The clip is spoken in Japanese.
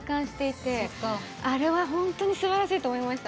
あれはほんとにすばらしいと思いました。